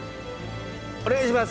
お願いします。